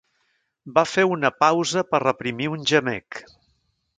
Va fer una pausa per reprimir un gemec.